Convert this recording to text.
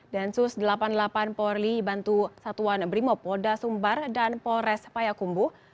densus delapan puluh delapan polri bantu satuan brimob polda sumbar dan polres payakumbuh